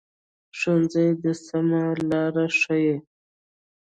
ښوونځی د سمه لار ښيي